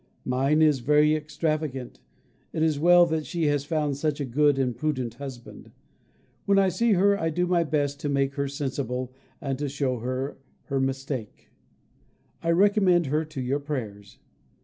Mine is very extravagant. It is well that she has found such a good and prudent husband. When I see her I do my best to make her sensible and to show her her mistake. I recommend her to your prayers.